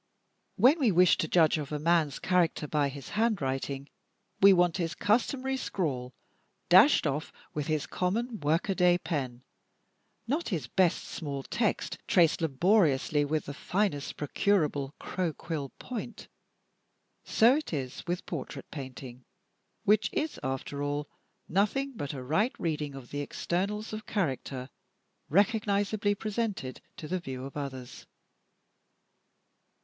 When we wish to judge of a man's character by his handwriting, we want his customary scrawl dashed off with his common workaday pen, not his best small text, traced laboriously with the finest procurable crow quill point. So it is with portrait painting, which is, after all, nothing but a right reading of the externals of character recognizably presented to the view of others.